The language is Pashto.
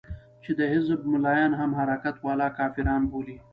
چې د حزب ملايان هم حرکت والا کافران بولي.